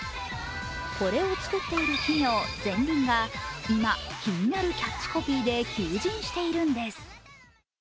これを作っている企業・ゼンリンが今、気になるキャッチコピーで求人しているんです。